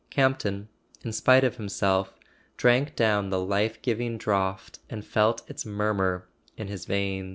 Campton, in spite of himself, drank down the life giving draught and felt its murmur in his veins.